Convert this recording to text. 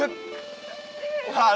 bebas ya lempar lagi